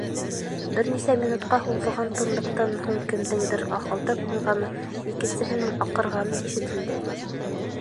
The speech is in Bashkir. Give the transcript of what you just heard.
Бер нисә минутҡа һуҙылған тынлыҡтан һуң кемдеңдер ахылдап ҡуйғаны, икенсеһенең аҡырғаны ишетелде: